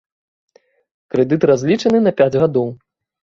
Крэдыт разлічаны на пяць гадоў.